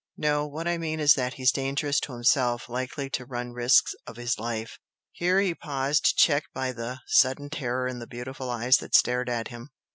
No, what I mean is that he's dangerous to himself likely to run risks of his life " Here he paused, checked by the sudden terror in the beautiful eyes that stared at him.